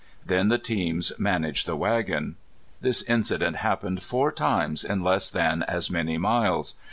Then the teams managed the wagon. This incident happened four times in less than as many miles.